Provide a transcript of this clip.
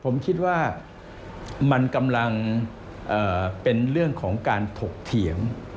ผมคิดว่ามันกำลังเป็นเรื่องของการถกเถียง